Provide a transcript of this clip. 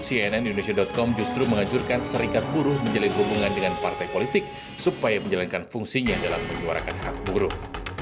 cnn indonesia com justru mengajurkan serikat buruh menjalin hubungan dengan partai politik supaya menjalankan fungsinya dalam menyuarakan hak buruh